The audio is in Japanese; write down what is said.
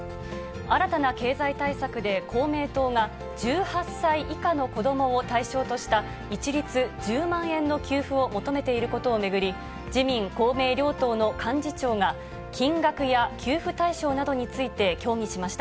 新たな経済対策で、公明党が、１８歳以下の子どもを対象とした一律１０万円の給付を求めていることを巡り、自民、公明両党の幹事長が、金額や給付対象などについて協議しました。